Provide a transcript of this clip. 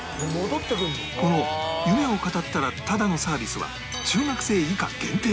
この「夢を語ったらタダ」のサービスは中学生以下限定